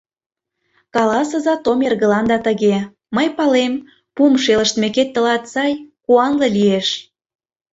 Каласыза Том эргыланда тыге: «Мый палем, пум шелыштмекет тылат сай, куанле лиеш.»